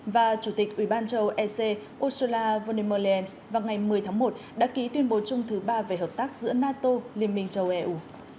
và chủ tịch ủy ban châu ec ursula von der leyen vào ngày một mươi tháng một đã ký tuyên bố chung thứ ba về hợp tác giữa nato liên minh châu eu